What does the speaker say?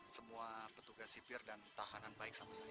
semua petugas sipir dan tahanan baik sama sekali